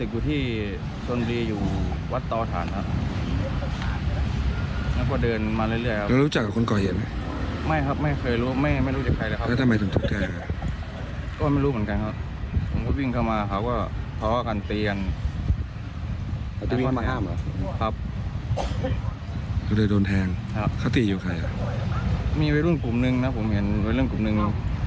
เขาตีอยู่ใครมีไว้รุ่นกลุ่มหนึ่งนะผมเห็นไว้เรื่องกลมหนึ่ง